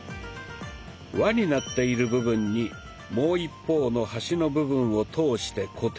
輪になっている部分にもう一方の端の部分を通して固定します。